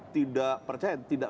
tidak percaya tidak